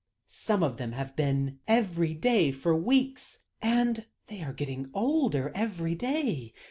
"Some of them have been every day for weeks, and they are getting older every day.